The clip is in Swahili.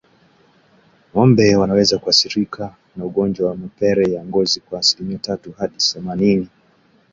Ngombe wanaweza kuathirika na ugonjwa wa mapele ya ngozi kwa asilimia tatu hadi themanini